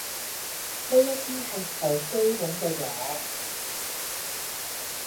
呢一啲係啲好基本嘅嘢